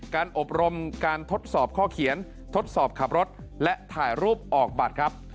การอบรมการทดสอบข้อเขียนทดสอบขับรถและถ่ายรูปออกบัตรครับ